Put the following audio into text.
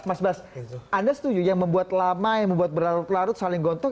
mas bas anda setuju yang membuat lama yang membuat berlarut larut saling gontok